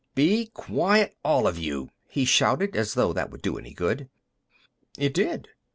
"Be quiet, all of you!" he shouted, as though that would do any good. It did.